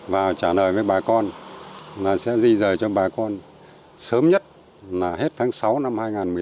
và trả lời với bà con là sẽ di rời cho bà con sớm nhất là hết tháng sáu năm hai nghìn một mươi chín